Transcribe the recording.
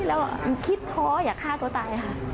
แล้วคิดท้ออย่าฆ่าตัวตายค่ะ